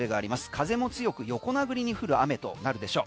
風も強く横殴りに降る雨となるとなるでしょう。